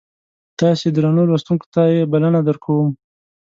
تاسو درنو لوستونکو ته یې بلنه درکوم.